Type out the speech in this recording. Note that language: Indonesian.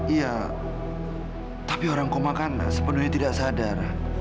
iya tapi orang koma kan sepenuhnya tidak sadar